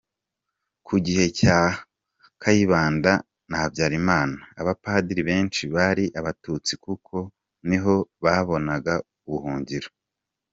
Ku gihe cya Kayibanda na Habyalimana abapadiri benshi bari abatutsi kuko niho babonaga ubuhungiro.